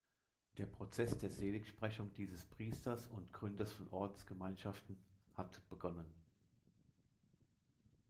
Der Prozess der Seligsprechung dieses Priesters und Gründers von Ordensgemeinschaften hat begonnen.